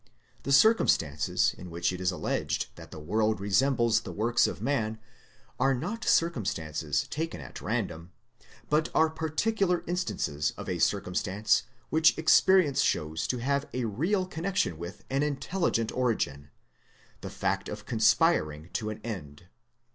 The cir cumstances in which it is alleged that the world re sembles the works of man are not circumstances taken at random, but are particular instances of a circumstance 170 THEISM which experience shows to have a real connection with an intelligent origin, the fact of conspiring to an end.